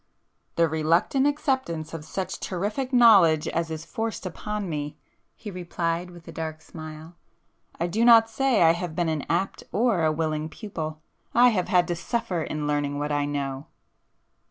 ——" "The reluctant acceptance of such terrific knowledge as is forced upon me,—" he replied with a dark smile—"I do not say I have been an apt or a willing pupil,—I have had to suffer in learning what I know!"